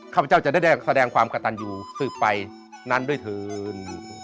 ข้าพเจ้าจะได้แสดงความกระตันอยู่สืบไปนั้นด้วยเถิน